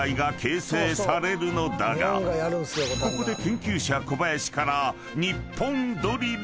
［ここで研究者小林から］